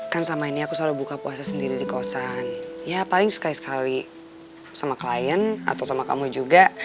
kan sama ini aku selalu buka puasa sendiri di kosan ya paling suka sekali sama klien atau sama kamu juga